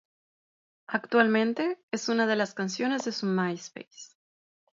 Actualmente, es una de las canciones de su MySpace.